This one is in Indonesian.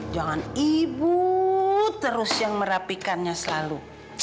jangan ibu terus yang merapikannya selalu